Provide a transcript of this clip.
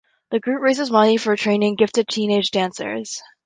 The group raises money for training gifted teenage dancers.